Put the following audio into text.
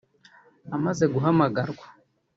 Amaze guhamagarwa